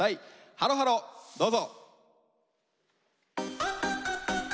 「ハロハロ」どうぞ。